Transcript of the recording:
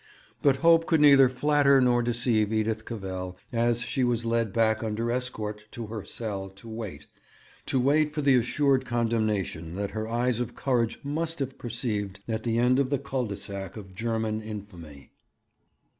But hope could neither flatter nor deceive Edith Cavell as she was led back under escort to her cell to wait to wait for the assured condemnation that her eyes of courage must have perceived at the end of the cul de sac of German infamy.